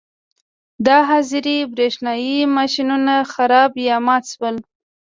د حاضرۍ برېښنايي ماشینونه خراب یا مات شول.